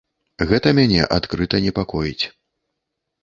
Гэта мяне адкрыта непакоіць.